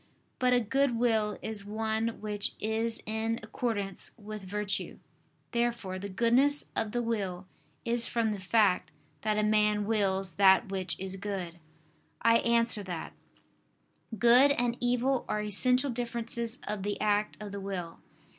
But a good will is one which is in accordance with virtue. Therefore the goodness of the will is from the fact that a man wills that which is good. I answer that, Good and evil are essential differences of the act of the will.